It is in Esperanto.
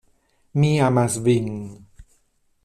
Mi amas vin.